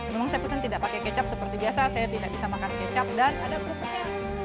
memang saya pesan tidak pakai kecap seperti biasa saya tidak bisa makan kecap dan ada protes